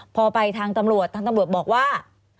พอไปทางตำรวจทางตำรวจบอกว่า